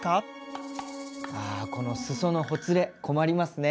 あこのすそのほつれ困りますね。